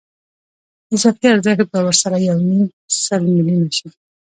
اضافي ارزښت به ورسره یو نیم سل میلیونه شي